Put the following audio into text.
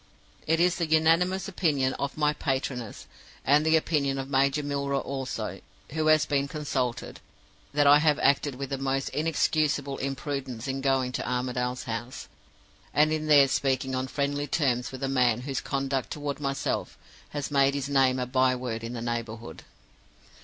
"It is the unanimous opinion of my 'patronesses' (and the opinion of Major Milroy also, who has been consulted) that I have acted with the most inexcusable imprudence in going to Armadale's house, and in there speaking on friendly terms with a man whose conduct toward myself has made his name a by word in the neighborhood.